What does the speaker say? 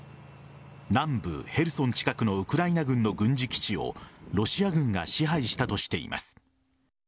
南部・ヘルソン近くのウクライナ軍の軍事基地をロシア軍が支配したとしています。